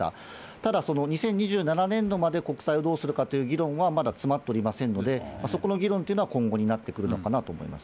ただ、その２０２７年度まで国債をどうするかという議論は、まだ詰まっておりませんので、そこの議論というのは今後になってくるのかなと思います。